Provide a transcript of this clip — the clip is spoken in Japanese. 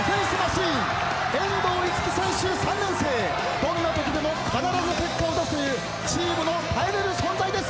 どんなときでも必ず結果を出すというチームの頼れる存在です。